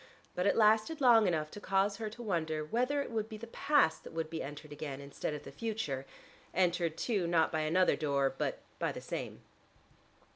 But it lasted long enough to cause her to wonder whether it would be the past that would be entered again instead of the future, entered, too, not by another door, but by the same.